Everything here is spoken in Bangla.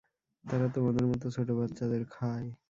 তারা তোমাদের মত ছোট বাচ্চাদের খায়।